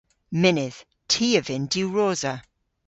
Mynnydh. Ty a vynn diwrosa.